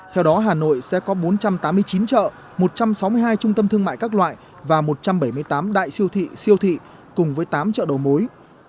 theo đó hà nội sẽ có bốn trăm tám mươi chín chợ một trăm sáu mươi hai trung tâm thương mại các loại và một trăm bảy mươi tám đại siêu thị siêu thị cùng với tám chợ đầu mối